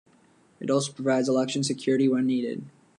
It also provides election security when needed.